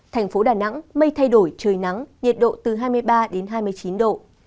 thành phố đà nẵng mây thay đổi trời nắng nhiệt độ từ hai mươi ba đến hai mươi chín độ